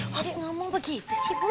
jadi ngomong begitu sih bu